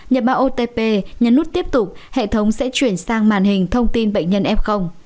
ba nhập mã otp nhấn nút tiếp tục hệ thống sẽ chuyển sang màn hình thông tin bệnh nhân f